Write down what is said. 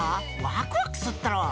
ワクワクすっだろ？